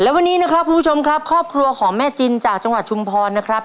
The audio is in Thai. และวันนี้นะครับคุณผู้ชมครับครอบครัวของแม่จินจากจังหวัดชุมพรนะครับ